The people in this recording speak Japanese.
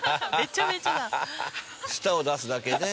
舌を出すだけで。